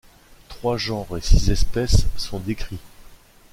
Trois genres et six espèces sont décrits.